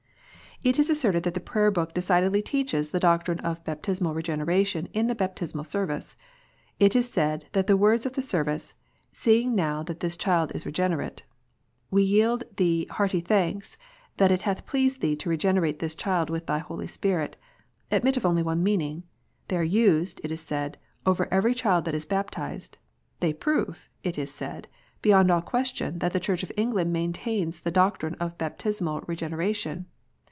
It is asserted that the Prayer book decidedly teaches the doctrine of Baptismal Regeneration in the Baptismal Service. It is said that the words of that service, "Seeing now that this child is regenerate," "We yield Thee hearty thanks, that it hath pleased Thee to regenerate this child with Thy Holy Spirit," admit of only one meaning. They are used, it is said, over every child that is baptized. They prove, it is said, beyond all question, that the Church of England maintains the doctrine of Baptismal Regeneration.